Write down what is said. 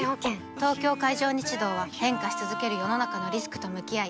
東京海上日動は変化し続ける世の中のリスクと向き合い